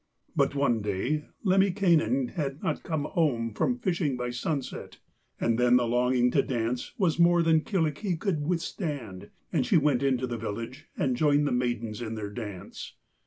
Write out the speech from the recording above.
But one day Lemminkainen had not come home from fishing by sunset, and then the longing to dance was more than Kyllikki could withstand, and she went into the village and joined the maidens in their dance.